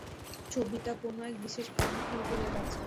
ছবিটা কোনো এক বিশেষ কারণে উলটো হয়ে গেছে।